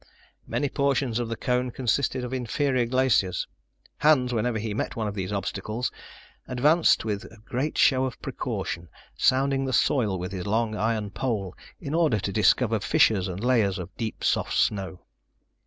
Many portions of the cone consisted of inferior glaciers. Hans, whenever he met with one of these obstacles, advanced with a great show of precaution, sounding the soil with his long iron pole in order to discover fissures and layers of deep soft snow.